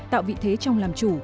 tạo vị thế trong làm chủ